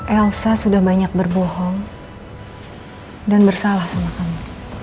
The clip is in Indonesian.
elsa sudah banyak berbohong dan bersalah sama kami